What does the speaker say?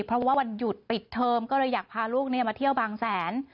เพราะว่าวันหยุดปิดเทอมก็เลยอยากพาลูกมาเที่ยวบางแสน